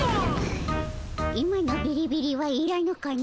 今のビリビリはいらぬかの。